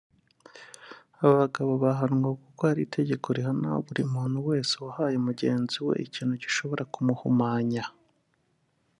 aba bagabo bahanwa kuko hari itegeko rihana umuntu wese wahaye mugenzi we ikintu gishobora ku muhumanya